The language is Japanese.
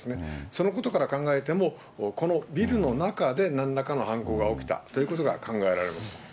そのことから考えても、このビルの中でなんらかの犯行が起きたということが考えられます。